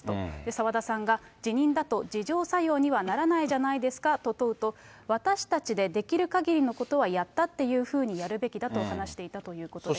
澤田さんが辞任だと自浄作用にはならないじゃないですかと問うと、私たちでできるかぎりのことはやったっていうふうにやるべきだと話していたということです。